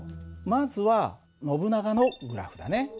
まずはノブナガのグラフだね。